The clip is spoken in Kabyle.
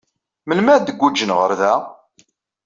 Melmi ay d-guǧǧen ɣer da?